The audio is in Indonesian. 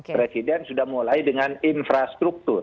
presiden sudah mulai dengan infrastruktur